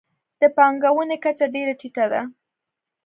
د پانګونې کچه ډېره ټیټه ده.